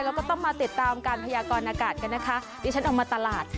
แล้วก็ต้องมาติดตามการพยากรณากาศกันนะคะดิฉันเอามาตลาด